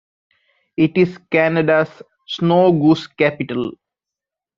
It is Canada's Snow Goose Capital.